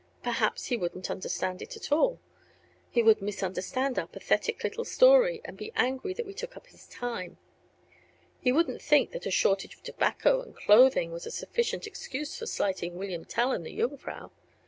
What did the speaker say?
Perhaps he wouldn't understand it at all; he would misunderstand our pathetic little story and be angry that we took up his time. He wouldn't think that a shortage of tobacco and clothing was a sufficient excuse for slighting William Tell and the Jungfrau.